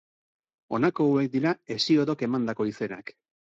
Honako hauek dira Hesiodok emandako izenak.